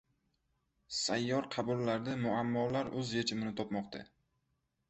Sayyor qabullarda muammolar o‘z yechimini topmoqda